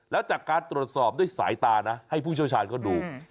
แล้วจากการตรวจสอบด้วยสายตานะให้ผู้เชี่ยวชาญเขาดู